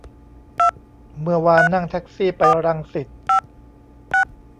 เมื่อวานนั่งแท็กซี่ไปรังสิต